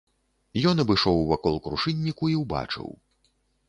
Ён абышоў вакол крушынніку і ўбачыў.